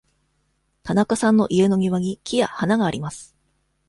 田中さんの家の庭に木や花があります。